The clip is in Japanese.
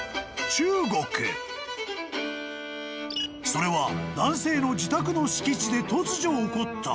［それは男性の自宅の敷地で突如起こった］